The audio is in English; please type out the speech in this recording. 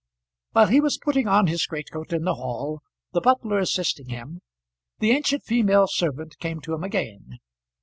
While he was putting on his greatcoat in the hall, the butler assisting him, the ancient female servant came to him again.